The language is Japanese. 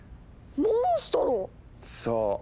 モンストロ⁉そう。